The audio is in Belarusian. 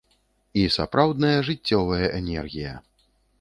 І сапраўдная жыццёвая энергія.